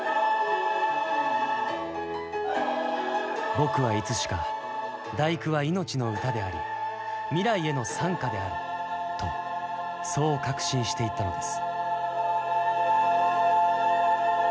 僕はいつしか「第九」は命の歌であり未来への讃歌であるとそう確信していったのです